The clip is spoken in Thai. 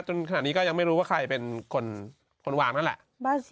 จนขนาดนี้ก็ยังไม่รู้ว่าใครเป็นคนคุณว่ามันค่ะล่ะ